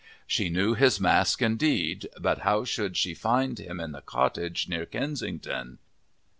She knew his mask indeed, but how should she find him in the cottage near Kensington?